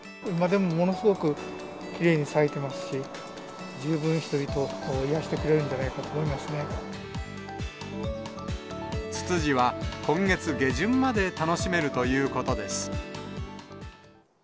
今でもものすごくきれいに咲いてますし、十分、人々を癒やしてくれるんじゃないかなと思いまツツジは今月下旬まで楽しめるということです。